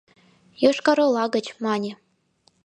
— Йошкар-Ола гыч, — мане.